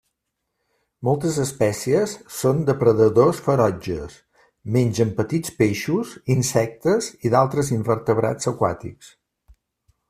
Moltes espècies són depredadors ferotges: mengen petits peixos, insectes i d'altres invertebrats aquàtics.